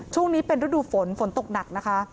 ช่วงนี้เป็นฤดูฝนฝนตกหนักนะคะ